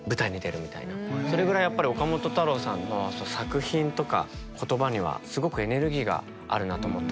それぐらいやっぱり岡本太郎さんの作品とか言葉にはすごくエネルギーがあるなと思ったので。